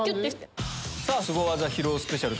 さぁスゴ技披露スペシャル！